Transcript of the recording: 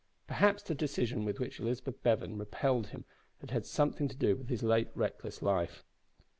Perhaps the decision with which Elizabeth Bevan repelled him had had something to do with his late reckless life.